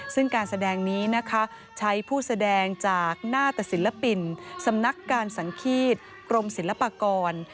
ซึ่งการแสดงนี้นะคะใช้ผู้แสดงจากหน้าตศิลปินสำนักการสังฆีตกรมศิลปากร